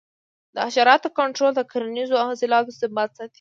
د حشراتو کنټرول د کرنیزو حاصلاتو ثبات ساتي.